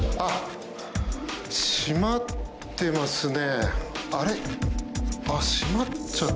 閉まっていますね。